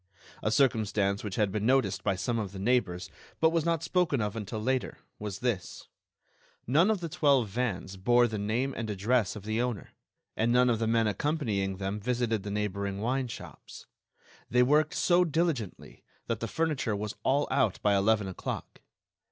A circumstance which had been noticed by some of the neighbors, but was not spoken of until later, was this: None of the twelve vans bore the name and address of the owner, and none of the men accompanying them visited the neighboring wine shops. They worked so diligently that the furniture was all out by eleven o'clock.